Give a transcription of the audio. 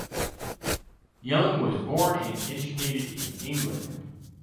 Young was born and educated in England.